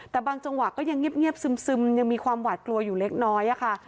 แต่บางจังหวะก็ยังเงียบซึมยังมีความหวาดกลัวอยู่เล็กน้อยค่ะ